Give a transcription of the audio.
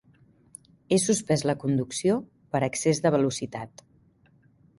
He suspès la conducció per excés de velocitat.